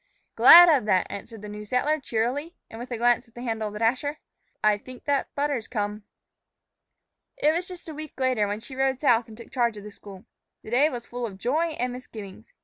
"Glad of that," answered the new settler, cheerily, and, with a glance at the handle of the dasher, "I think that butter's come." IT was just a week later when she rode south and took charge of the school. The day was full of joy and misgivings.